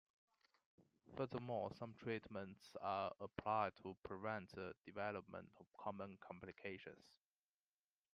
Furthermore, some treatments are applied to prevent the development of common complications.